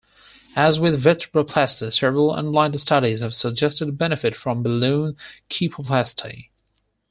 As with vertebroplasty, several unblinded studies have suggested a benefit from balloon kyphoplasty.